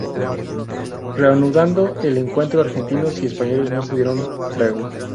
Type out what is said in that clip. Reanudado el encuentro, argentinos y españoles no se dieron tregua.